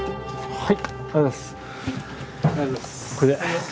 はい。